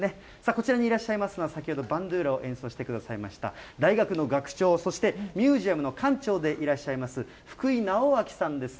こちらにいらっしゃいますのは、先ほど、バンドゥーラを演奏してくださいました、大学の学長、そしてミュージアムの館長でいらっしゃいます、福井直昭さんです。